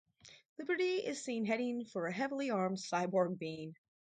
Liberty is seen heading for a heavily armed cyborg being.